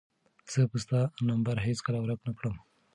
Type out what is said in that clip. زه به ستا نمبر هیڅکله ورک نه کړم.